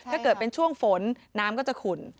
ถ้าเกิดเป็นช่วงฝนน้ำก็จะขุ่น